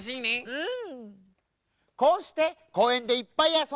うん！